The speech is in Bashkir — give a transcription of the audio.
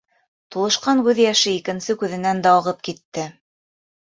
Тулышҡан күҙ йәше икенсе күҙенән дә ағып китте.